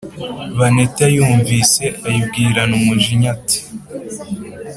baneti ayumvise, ayibwirana umujinya ati